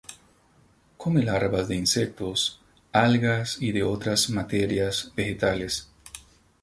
Come larvas de insectos, algas y de otras materias vegetales.